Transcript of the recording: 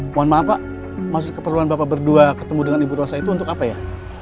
mohon maaf pak maksud keperluan bapak berdua ketemu dengan ibu rosa itu untuk apa ya